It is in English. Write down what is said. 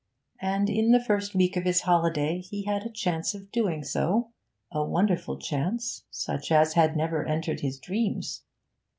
And in the first week of his holiday he had a chance of doing so, a wonderful chance, such as had never entered his dreams.